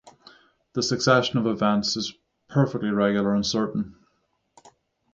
The succession of events is perfectly regular and certain.